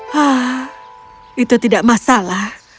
hah itu tidak masalah